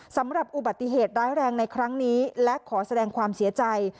สำหรับอุบัติเหตุร้ายแรงในครั้งนี้และขอแสดงความเสียใจ